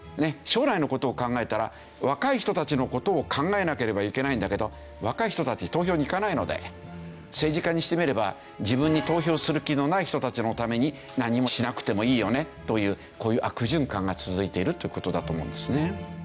将来の事を考えたら若い人たちの事を考えなければいけないんだけど政治家にしてみれば自分に投票する気のない人たちのために何もしなくてもいいよねというこういう悪循環が続いているという事だと思うんですね。